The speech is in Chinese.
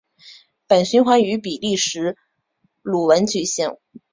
本循环于比利时鲁汶举行。